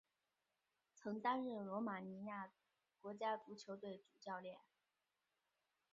曾担任罗马尼亚国家足球队主教练。